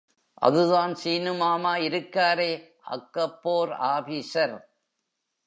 அதுதான் சீனு மாமா இருக்காரே, அக்கப்போர் ஆபீசர்.